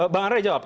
bang arief jawab